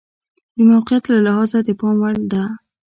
د موقعیت له لحاظه د پام وړ ده.